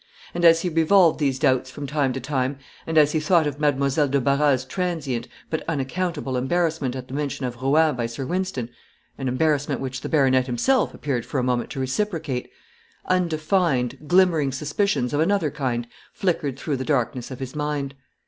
And as he revolved these doubts from time to time, and as he thought of Mademoiselle de Barras's transient, but unaccountable embarrassment at the mention of Rouen by Sir Wynston an embarrassment which the baronet himself appeared for a moment to reciprocate undefined, glimmering suspicions of another kind flickered through the darkness of his mind.